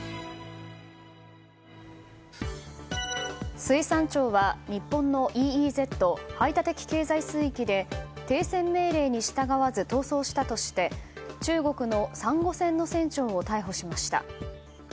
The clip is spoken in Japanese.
水産庁は、日本のＥＥＺ・排他的経済水域で停船命令に従わず逃走したとして中国のサンゴ船の船長を逮捕しました。